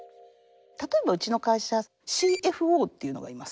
例えばうちの会社ＣＦＯっていうのがいます。